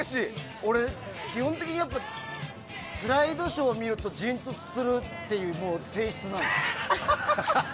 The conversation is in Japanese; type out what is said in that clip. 俺、基本的にスライドショー見るとジーンとするっていう性質なの。